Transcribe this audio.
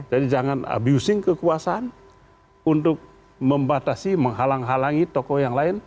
jadi jangan abusing kekuasaan untuk membatasi menghalang halangi tokoh yang lain